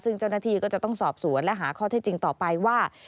ซึ่งเจ้าหน้าที่ก็จะต้องสอบสวนและหาข้อเท็จจริงต่อไปว่า